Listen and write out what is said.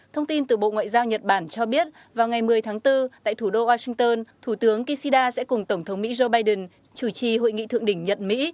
thông tin từ bộ ngoại giao nhật bản cho biết vào ngày một mươi tháng bốn tại thủ đô washington thủ tướng kishida sẽ cùng tổng thống mỹ joe biden chủ trì hội nghị thượng đỉnh nhật mỹ